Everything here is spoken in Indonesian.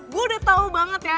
gue udah tau banget ya